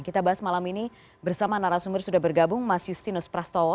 kita bahas malam ini bersama narasumber sudah bergabung mas justinus prastowo